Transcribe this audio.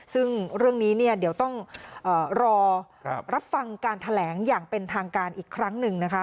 ซึ่งเรื่องนี้เนี่ยเดี๋ยวต้องรอรับฟังการแถลงอย่างเป็นทางการอีกครั้งหนึ่งนะคะ